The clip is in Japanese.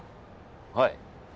はい。